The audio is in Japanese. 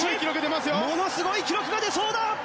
ものすごい記録が出そうだ。